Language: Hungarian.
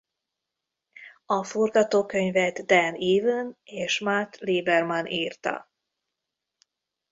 A forgatókönyvet Dan Ewen és Matt Lieberman írta.